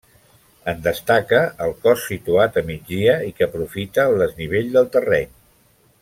En destaca el cos situat a migdia i que aprofita el desnivell del terreny.